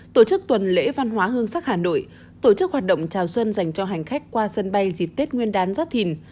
tổ chức tuần lễ văn hóa hương sắc hà nội tổ chức hoạt động chào xuân dành cho hành khách qua sân bay dịp tết nguyên đán giáp thìn